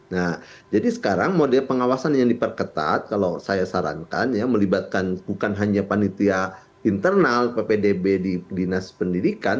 nah jadi sekarang model pengawasan yang diperketat kalau saya sarankan ya melibatkan bukan hanya panitia internal ppdb di dinas pendidikan